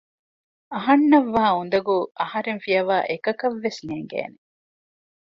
އަހަންނަށް ވާ އުނދަގޫ އަހަރެން ފިޔަވައި އެކަކަށްވެސް ނޭނގޭނެ